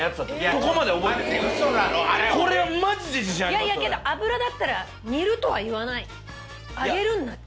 いやいやけど油だったら「煮る」とは言わない「揚げる」になっちゃう。